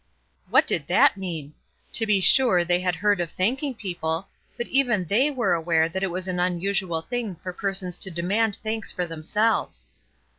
What did that mean? To be sure they had heard of thanking people, but even they were aware that it was an unusual thing for persons to demand thanks for themselves.